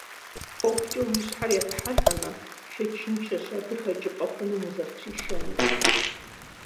Ӏуэхукӏэ уи щхьэр епхьэлӏамэ, шэчыншэщ абы хэкӏыпӏэ хуэхъунум узэрытришэнур.